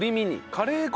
カレー粉。